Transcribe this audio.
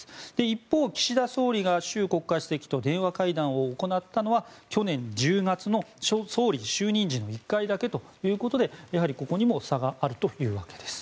一方、岸田総理が習国家主席と電話会談を行ったのは去年１０月の総理就任時の１回だけということで、やはりここにも差があるわけです。